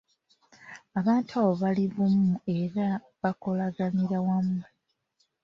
Abantu abo bali bumu era nga bakolaganira wamu.